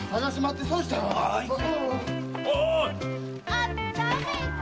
あっためて！